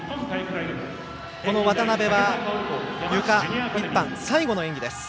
渡部は、ゆかの１班最後の演技です。